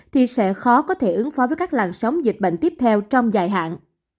thì sẽ khó có thể ứng phó với các làn sóng dịch bệnh tiếp theo trong dài hạn